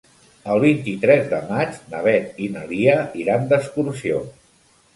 El vint-i-tres de maig na Beth i na Lia iran d'excursió.